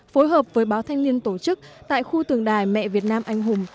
phối hợp với báo thanh niên tổ chức tại khu tượng đài mẹ việt nam anh hùng